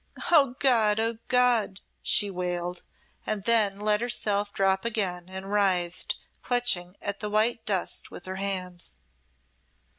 "Oh, God! Oh, God!" she wailed, and then let herself drop again and writhed, clutching at the white dust with her hands.